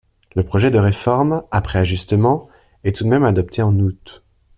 Le projet de réforme, après ajustements, est tout de même adopté en août.